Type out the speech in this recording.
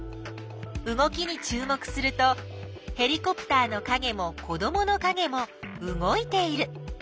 動きにちゅう目するとヘリコプターのかげも子どものかげも動いている。